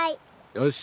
よし。